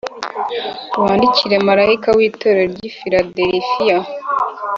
“Wandikire marayika w’Itorero ry’i Filadelifiya